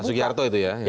pak sugiarto itu ya